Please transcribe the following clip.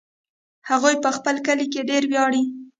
هغوی په خپل کلي ډېر ویاړي